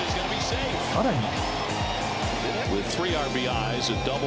更に。